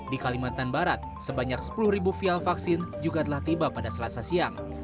di kalimantan barat sebanyak sepuluh vial vaksin juga telah tiba pada selasa siang